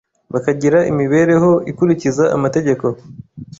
bakagira imibereho ikurikiza amategeko